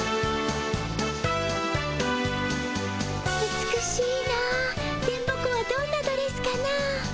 美しいの電ボ子はどんなドレスかの？